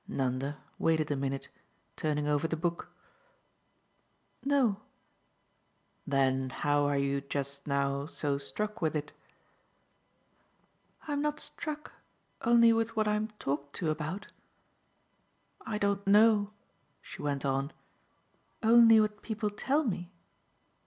Nanda waited a minute, turning over the book. "No." "Then how are you just now so struck with it?" "I'm not struck only with what I'm talked to about. I don't know," she went on, "only what people tell me."